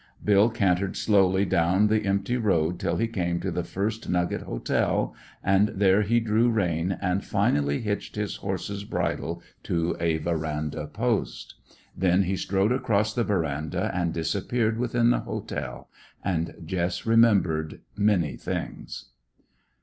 Bill cantered slowly down the empty road till he came to the "First Nugget Hotel," and there he drew rein and finally hitched his horse's bridle to a verandah post. Then he strode across the verandah and disappeared within the "hotel," and Jess remembered many things.